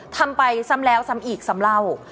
ทำไปซ้ำแล้วซ้ำอีกซ้ำเล่า